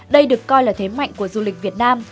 đây được coi là thế mạnh của du lịch việt nam